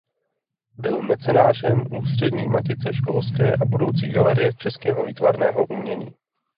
Byl mecenášem Ústřední matice školské a budoucí galerie českého výtvarného umění..